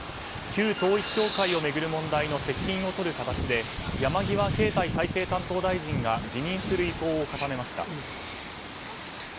旧統一教会を巡る問題の責任を取る形で山際経済再生担当大臣が辞任する意向を固めました。